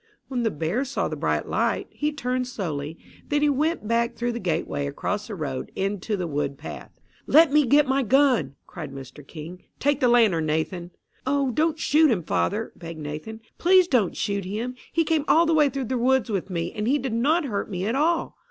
When the bear saw the bright light, he turned slowly; then he went back through the gateway across the road, into the wood path. "Let me get my gun!" cried Mr King. "Take the lantern, Nathan!" "Oh, don't shoot him, father!" begged Nathan. "Please don't shoot him. He came all the way through the woods with me, and he did not hurt me at all."